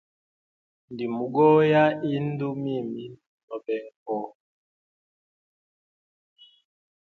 Njimugoya indu mimi nobenga po.